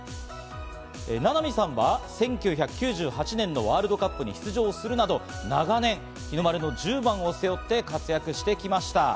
名波さんは１９９８年のワールドカップに出場するなど長年、日の丸の１０番を背負って活躍してきました。